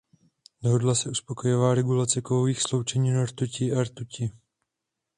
Dohodla se uspokojivá regulace kovových sloučenin rtuti a rtuti.